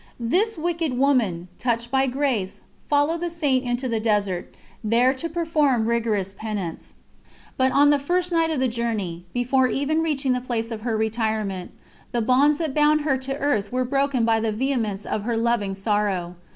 This wicked woman, touched by grace, followed the Saint into the desert, there to perform rigorous penance. But on the first night of the journey, before even reaching the place of her retirement, the bonds that bound her to earth were broken by the vehemence of her loving sorrow.